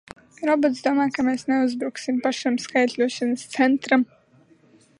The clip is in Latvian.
Robots domā, ka mēs neuzbruksim pašam skaitļošanas centram!